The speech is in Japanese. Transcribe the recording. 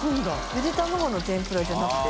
ゆで卵の天ぷらじゃなくて。